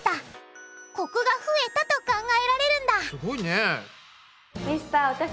コクが増えたと考えられるんだすごいね。